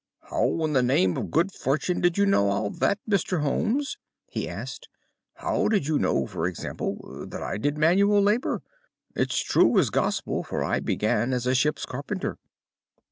"How, in the name of good fortune, did you know all that, Mr. Holmes?" he asked. "How did you know, for example, that I did manual labour. It's as true as gospel, for I began as a ship's carpenter."